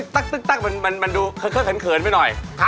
ตึ๊กมันมาดูเขินเผ็ญขนไปหน่อย